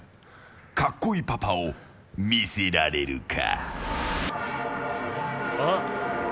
格好いいパパを見せられるか？